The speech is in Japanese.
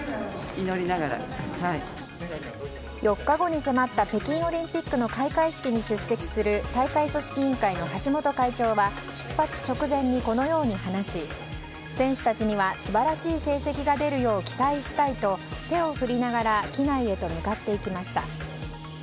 ４日後に迫った北京オリンピックの開会式に出席する大会組織委員会の橋本会長は出発直前にこのように話し選手たちには素晴らしい成績が出るよう期待したいと手を振りながら機内へと向かっていきました。